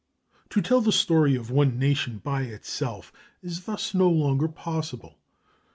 To tell the story of one nation by itself is thus no longer possible.